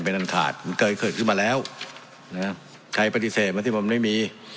เป็นอันขาดมันเคยเกิดขึ้นมาแล้วนะใครปฏิเสธมาที่มันไม่มี